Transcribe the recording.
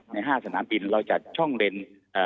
ใน๕สนามบินเราจัดช่องเลน